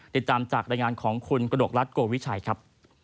ติดตามจากรายงานของคุณกระดกรัฐโกวิชัยครับ